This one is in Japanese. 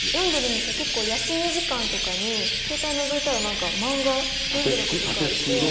休み時間とかに携帯をのぞいたら漫画読んでる子がいて。